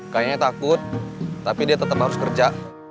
kayaknya takut tapi dia tetap harus kerja